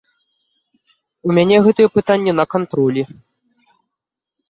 У мяне гэтае пытанне на кантролі.